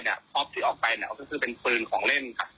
พร้อมที่ออกไปก็คือเป็นฟืนของเล่นครับ